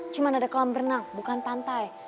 cuma ada kolam berenang bukan pantai